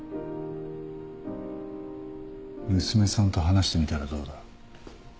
娘さんと話してみたらどうだ。